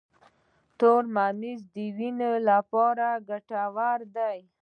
تور ممیز د وینې لپاره ګټور دي.